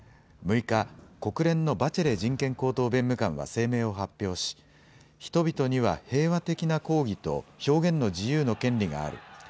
６日、国連のバチェレ人権高等弁務官は声明を発表し、人々には平和的な抗議と表現の自由の権利がある。